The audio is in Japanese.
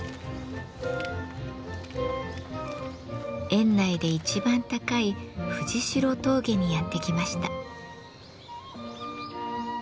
園内で一番高い藤代峠にやって来ました。